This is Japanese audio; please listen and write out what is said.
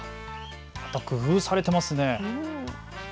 工夫されてますね。